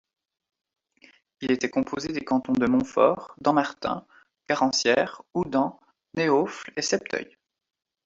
Il était composé des cantons de Montfort, Dammartin, Garancieres, Houdan, Neauphle et Septeuil.